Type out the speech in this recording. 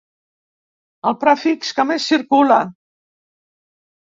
El prefix que més circula.